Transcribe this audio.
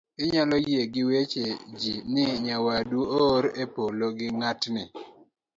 inyalo yie gi weche ji ni nyawadu oor e polo gi ng'atni